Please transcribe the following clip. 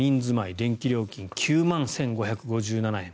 電気料金、９万１５５７円。